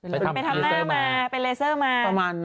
มารายเทอร์ป้องมาเป็นรายเทอร์ป้องมา